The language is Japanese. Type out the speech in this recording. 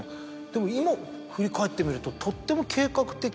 でも今振り返ってみるととっても。